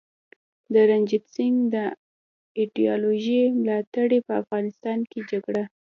د رنجیت سینګ د ایډیالوژۍ ملاتړي په افغانستان کي جګړه